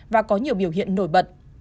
và có nhiều biểu hiện nổi bật